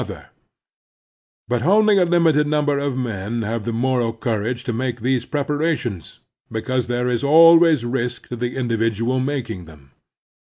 i84 The Strenuous Life But only a limited number of men have the moral courage to make these preparations, because there is always risk to the individual making them.